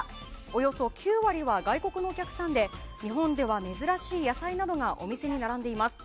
およそ９割は外国のお客さんで日本では珍しい野菜などがお店に並んでいます。